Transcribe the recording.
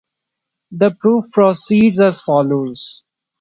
The proof proceeds as follows.